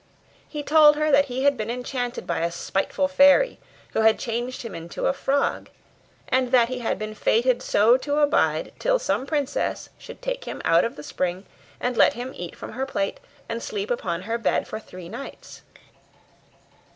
He told her that he had been enchanted by a spiteful fairy, who had changed him into a frog; and that he had been fated so to abide till some princess should take him out of the spring, and let him eat from her plate, and sleep upon her bed for three nights.